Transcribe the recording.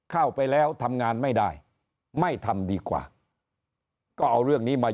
เข้าไปแล้วทำงานไม่ได้ไม่ทำดีกว่าก็เอาเรื่องนี้มา